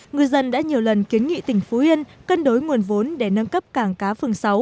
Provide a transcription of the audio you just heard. ngư dân đã nhiều lần kiến nghị tỉnh phú yên cân đối nguồn vốn để nâng cấp cảng cá phường sáu